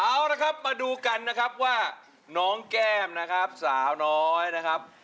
เอาละครับมาดูกันนะครับว่าน้องแก้มนะครับสาวน้อยนะครับ